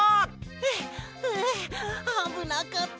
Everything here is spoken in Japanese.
はあはああぶなかった。